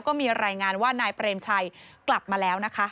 ก็มีรายงานว่านายเปรมชัยกลับมาแล้วนะคะ